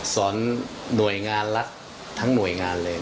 หน่วยงานรัฐทั้งหน่วยงานเลย